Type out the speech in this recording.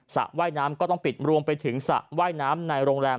ระว่ายน้ำก็ต้องปิดรวมไปถึงสระว่ายน้ำในโรงแรม